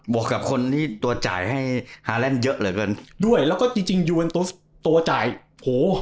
วกกับคนที่ตัวจ่ายให้ฮาแลนด์เยอะเหลือเกินด้วยแล้วก็จริงจริงยูเอ็นตัวจ่ายโห